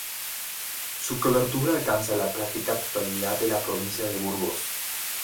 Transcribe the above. Su cobertura alcanza la práctica totalidad de la provincia de Burgos.